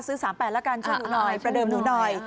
๓๘แล้วกันช่วยหนูหน่อยประเดิมหนูหน่อย